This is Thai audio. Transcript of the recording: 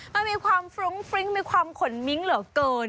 มันมีความฟรุ้งฟริ้งมีความขนมิ้งเหลือเกิน